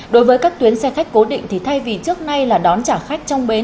đối với các tuyến xe khách cố định thì thay vì trước nay là đón trả khách trong bến